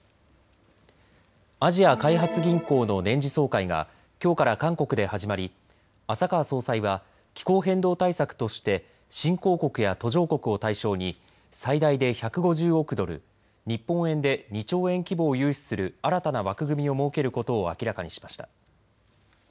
アジア開発銀行の年次総会がきょうから韓国で始まり浅川総裁は気候変動対策として新興国や途上国を対象に最大で１５０億ドル、日本円で２兆円規模を融資する新たな枠組みを設けることを明らかにしました。